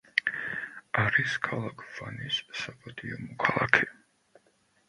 არის ქალაქ ვანის საპატიო მოქალაქე.